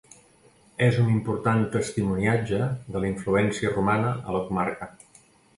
És un important testimoniatge de la influència romana a la comarca.